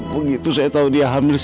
begitu saya kelas